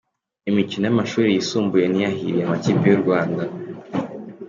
imikino y’amashuri yisumbuye ntiyahiriye Amakipi y’u Rwanda